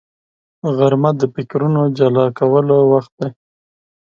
غرمه د فکرونو جلا کولو وخت دی